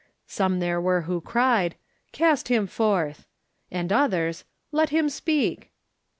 Some there were who cried, "Cast him forth!" And others, "Let him speak."